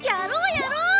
やろう！